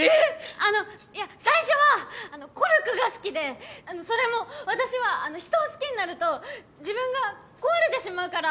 あのいや最初はＫＯＲＵＫＵが好きでそれも私は人を好きになると自分が壊れてしまうから。